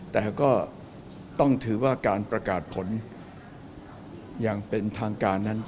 แต่ก็ต้องถือว่าการประกาศผลอย่างเป็นทางการนั้น